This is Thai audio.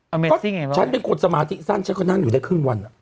ก็ฉันไม่กดสมาธิสั้นฉันก็นั่งอยู่ได้ครึ่งวัน